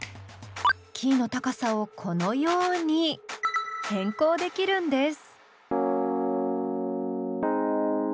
キーの高さをこのように変更できるんです。